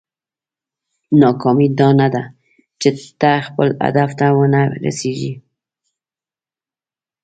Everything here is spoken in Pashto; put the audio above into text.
ناکامي دا نه ده چې ته خپل هدف ته ونه رسېږې.